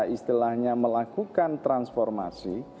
istilahnya melakukan transformasi